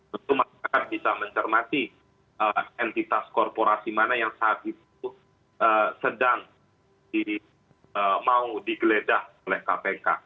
tentu masyarakat bisa mencermati entitas korporasi mana yang saat itu sedang mau digeledah oleh kpk